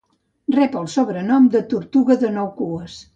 Rep el sobrenom de "Tortuga de nou cues".